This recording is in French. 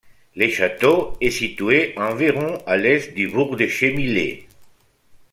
Le château est situé à environ à l'Est du bourg de Chemillé.